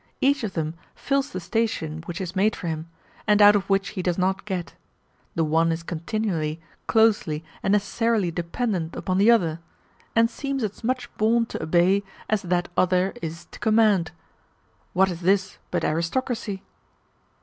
Each of them fills the station which is made for him, and out of which he does not get: the one is continually, closely, and necessarily dependent upon the other, and seems as much born to obey as that other is to command. What is this but aristocracy?